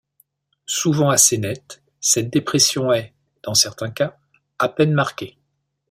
Souvent assez nette, cette dépression est, dans certains cas, à peine marquée.